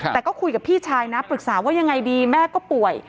แต่ก็คุยกับพี่ชายนะปรึกษาว่ายังไงดีแม่ก็ป่วย